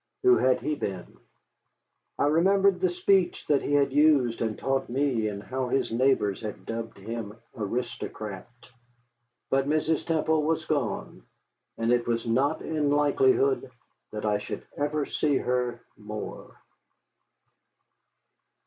Who had he been? I remembered the speech that he had used and taught me, and how his neighbors had dubbed him "aristocrat." But Mrs. Temple was gone, and it was not in likelihood that I should ever see her more.